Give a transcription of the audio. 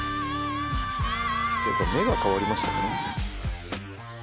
やっぱ目が変わりましたね。